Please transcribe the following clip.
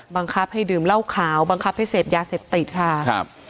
บังคับให้ดื่มเหล้าขาวบังคับให้เสพยาเสพติดค่ะครับ